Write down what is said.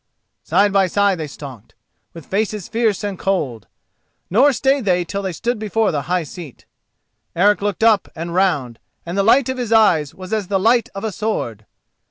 Side by side they stalked, with faces fierce and cold; nor stayed they till they stood before the high seat. Eric looked up and round, and the light of his eyes was as the light of a sword.